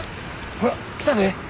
ほら来たで。